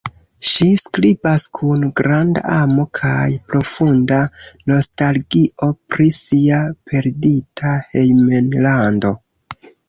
Ŝi skribas kun granda amo kaj profunda nostalgio pri sia perdita hejmlando.